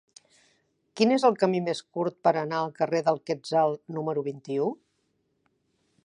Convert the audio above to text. Quin és el camí més curt per anar al carrer del Quetzal número vint-i-u?